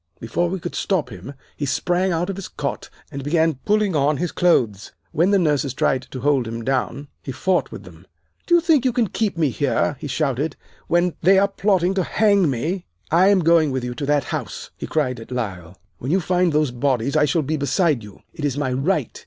"Before we could stop him he sprang out of his cot and began pulling on his clothes. When the nurses tried to hold him down, he fought with them. "'Do you think you can keep me here,' he shouted, 'when they are plotting to hang me? I am going with you to that house!' he cried at Lyle. 'When you find those bodies I shall be beside you. It is my right.